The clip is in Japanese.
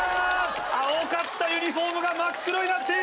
青かったユニホームが真っ黒になっている！